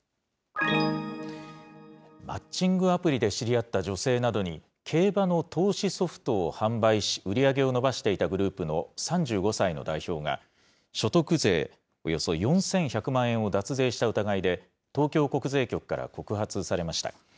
マッチングアプリで知り合った女性などに、競馬の投資ソフトを販売し、売り上げを伸ばしていたグループの３５歳の代表が、所得税およそ４１００万円を脱税した疑いで、東京国税局から告発されました。